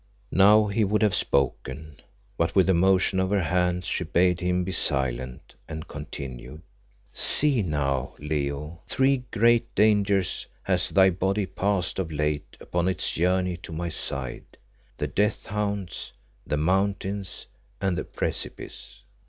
Now he would have spoken, but with a motion of her hand she bade him be silent, and continued "See now, Leo, three great dangers has thy body passed of late upon its journey to my side; the Death hounds, the Mountains, and the Precipice.